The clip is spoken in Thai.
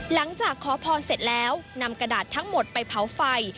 หลังจากขอพรเสร็จแล้วนำกระดาษทั้งหมดไปเผาไฟ